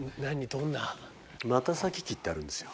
どんな？ってあるんですよ。